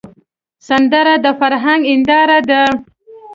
سندره د فرهنګ هنداره ده